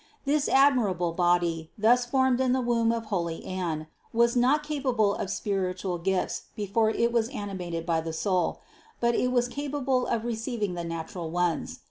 This admirable body, thus formed in the womb of holy Anne, was not capable of spiritual gifts before it was animated by the soul; but it was capable of receiving the natural ones.